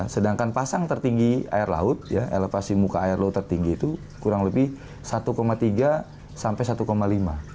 sedangkan pasang tertinggi air laut elevasi muka air laut tertinggi itu kurang lebih satu tiga sampai satu lima